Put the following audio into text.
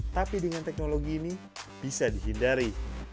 tapi dengan teknologi ini bisa dihindari